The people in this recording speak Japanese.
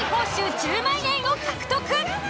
１０万円を獲得。